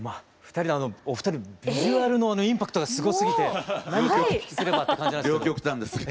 お二人のビジュアルのインパクトがすごすぎて何からお聞きすればって感じなんですけど。